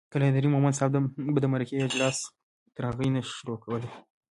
قلندر مومند صاحب به د مرکې اجلاس تر هغې نه شروع کولو